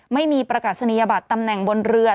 ไม่มีประกาศนียบัตรตำแหน่งบนเรือ